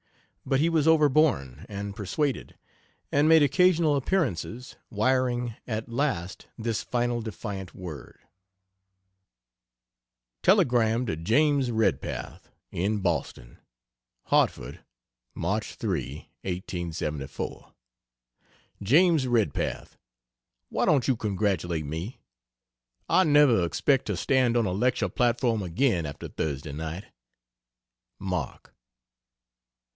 But he was overborne and persuaded, and made occasional appearances, wiring at last this final defiant word: Telegram to James Redpath, in Boston: HARTFORD, March 3, 1874. JAMES REDPATH, Why don't you congratulate me? I never expect to stand on a lecture platform again after Thursday night. MARK.